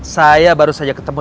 saya baru saja ketemu